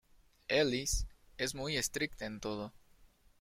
Ellis es muy estricta en todo.